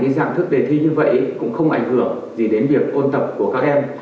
dạng thức đề thi như vậy cũng không ảnh hưởng gì đến việc ôn tập của các em